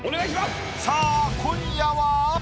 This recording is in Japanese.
さあ今夜は？